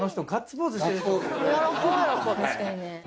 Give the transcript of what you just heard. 確かにね。